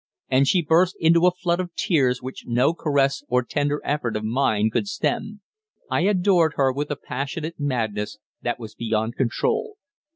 and she burst into a flood of tears which no caress or tender effort of mine could stem. I adored her with a passionate madness that was beyond control.